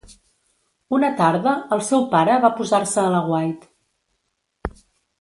Una tarda el seu pare va posar-se a l'aguait